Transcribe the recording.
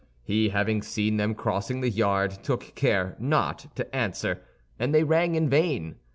He, having seen them crossing the yard, took care not to answer, and they rang in vain.